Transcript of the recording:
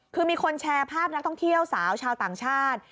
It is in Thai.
คือมีคนแชร์ภาพนักท่องเที่ยวสาวชาวต่างชาติ